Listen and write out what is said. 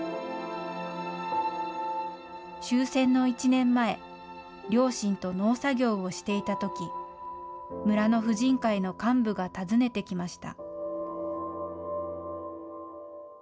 終戦の１年前、両親と農作業をしていたとき、村の婦人会の幹部が訪ねてきました。